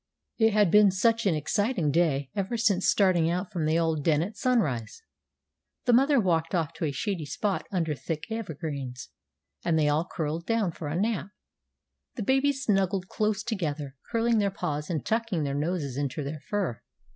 It had been such an exciting day ever since starting out from the old den at sunrise! The mother walked off to a shady spot under thick evergreens, and they all curled down for a nap. The babies snuggled close together, curling their paws and tucking their noses into their fur.